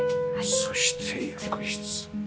そして浴室。